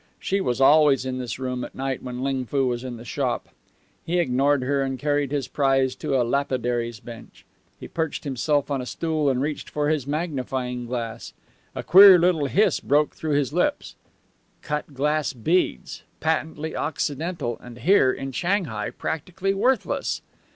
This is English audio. She was always in this room at night when Ling Foo was in the shop. He ignored her and carried his prize to a lapidary's bench. He perched himself on a stool and reached for his magnifying glass. A queer little hiss broke through his lips. Cut glass beads, patently Occidental, and here in Shanghai practically worthless!